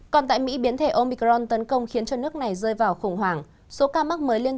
còn tại mỹ biến thể omicron tấn công khiến cho nước này rơi vào khủng hoảng số ca mắc mới liên